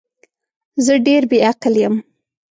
زه ډیر بی عقل یم